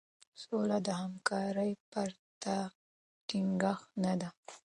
سوله د همکارۍ پرته ټينګه نه ده.